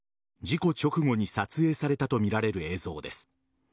事故直後に撮影されたとみられる映像です。